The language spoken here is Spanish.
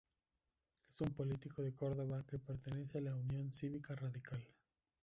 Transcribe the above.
Es un político de Córdoba que pertenece a la Unión Cívica Radical.